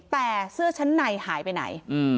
แต่เสื้อชั้นในหายไปไหน